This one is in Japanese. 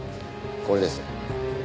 これです。